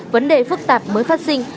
vấn đề phức tạp mới phát sinh